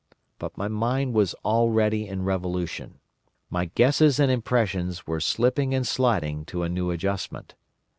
But my mind was already in revolution; my guesses and impressions were slipping and sliding to a new adjustment.